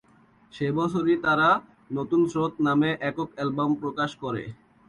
সে বছরই তারা "নতুন স্রোত" নামে একক অ্যালবাম প্রকাশ করে।